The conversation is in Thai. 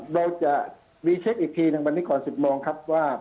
เราจะรีเช็คอีกทีหนึ่งวันนี้ก่อน๑๐โมงครับว่า